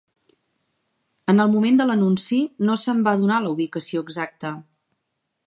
En el moment de l'anunci no se'n va donar la ubicació exacta.